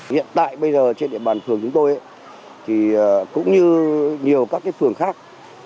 hiện tại bây giờ trên địa bàn phường chúng tôi thì cũng như nhiều các phường khác